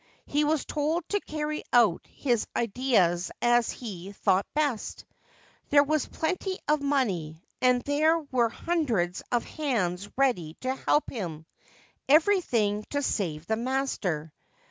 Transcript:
He was told to carry out his ideas as he thought best. There was plenty of money, and there were hundreds of hands ready to help him — anything to save the master.